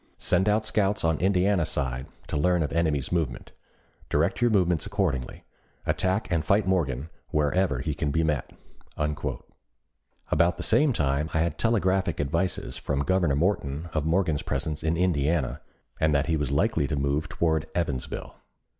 Send out scouts on Indiana side to learn of enemy's movement. Direct your movements accordingly. Attack and fight Morgan wherever he can be met." About the same time I had telegraphic advices from Governor Morton of Morgan's presence in Indiana, and that he was likely to move toward Evansville.